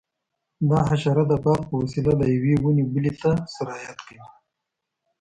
دا حشره د باد په وسیله له یوې ونې بلې ته سرایت کوي.